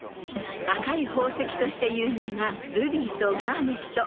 ［赤い宝石として有名なルビーとガーネット］